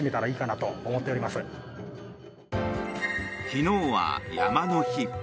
昨日は山の日。